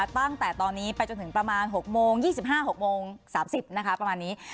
ตั้งแต่ตอนนี้ไปจนถึงประมาณ๖โมง๒๕๖โมง๓๐นะคะประมาณนี้